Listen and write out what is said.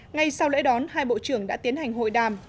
ngay sau lễ đón hai bộ trưởng đã tiến hành hội đàm